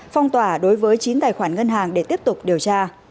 phong tỏa đối với chín tài khoản ngân hàng để tiếp tục điều tra